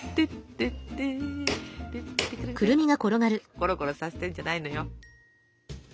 コロコロさせてんじゃないのよ。